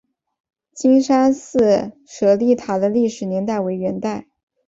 金山寺舍利塔的历史年代为元代。